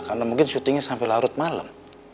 karena mungkin syutingnya sampai larut malam